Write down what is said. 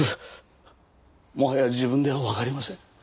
もはや自分ではわかりません。